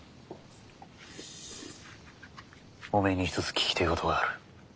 おめえに一つ聞きてえことがある。